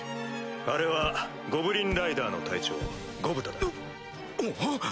あれはゴブリンライダーの隊長ゴブタだ。